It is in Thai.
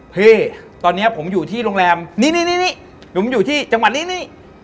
เฮ้ตอนนี้ผมอยู่ที่โรงแรมนี่อยู่ที่จังหวัดนี่